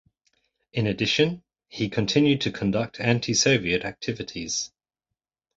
In addition, he continued to conduct anti-Soviet activities.